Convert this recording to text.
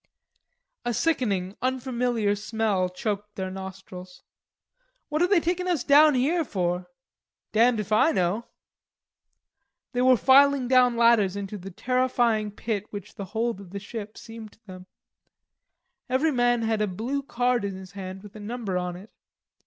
A sickening unfamiliar smell choked their nostrils. "What are they taking us down here for?" "Damned if I know." They were filing down ladders into the terrifying pit which the hold of the ship seemed to them. Every man had a blue card in his hand with a number on it.